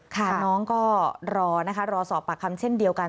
น้องก็รอนะคะรอสอบปากคำเช่นเดียวกัน